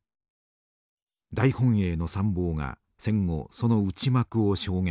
大本営の参謀が戦後その内幕を証言していました。